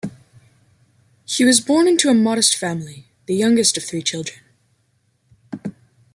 He was born into a modest family, the youngest of three children.